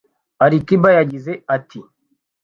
Ali Kiba yagize ati